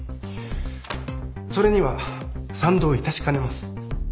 それには賛同いたしかねます